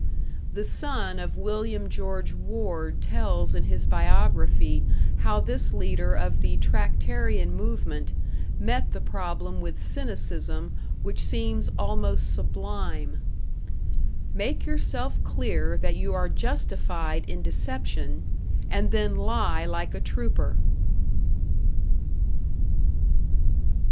The son of William George Ward tells in his biography how this leader of the "Tractarian Movement" met the problem with cynicism which seems almost sublime: "Make yourself clear that you are justified in deception; and then lie like a trooper!"